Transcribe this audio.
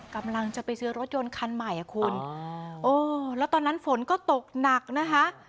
กำลังจะไปซื้อรถยนต์คันใหม่อ่ะคุณโอ้แล้วตอนนั้นฝนก็ตกหนักนะคะ